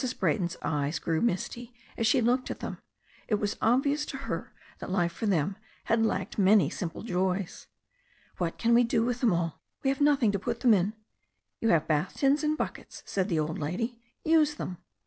Bra3rton's eyes grew misty as she looked at them. It was obvious to her that life for them had lacked many simple joys. "What can we do with them all? We have nothing to put them in." "You have bath tins and buckets," said the old lady. "Use them."